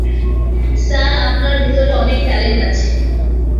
Sir, আপনার ভেতরে অনেক ট্যালেন্ট আছে।